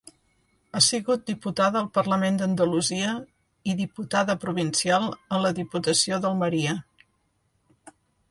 Ha sigut diputada al Parlament d'Andalusia i diputada provincial en la diputació d'Almeria.